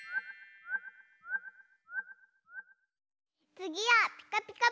つぎは「ピカピカブ！」だよ。